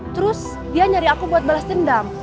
terus dia nyari aku buat balas dendam